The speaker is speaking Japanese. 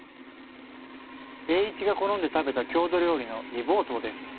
栄一が好んで食べた郷土料理の煮ぼうとうです。